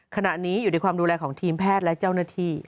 ขณะนี้อยู่ในความดูแลของทีมแพทย์และเจ้าหน้าที่